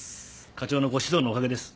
課長のご指導のおかげです。